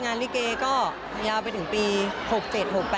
งานลิเกย์ก็ยาวไปถึงปี๖๗๖๘แล้วครับ